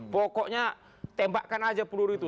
pokoknya tembakkan aja peluru itu